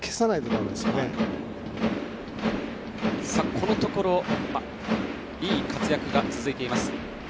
このところいい活躍が続いています